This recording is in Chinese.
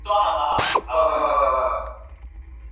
东沙镇为缅甸曼德勒省敏建县的镇区。